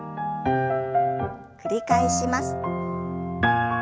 繰り返します。